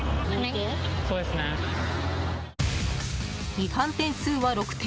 違反点数は６点。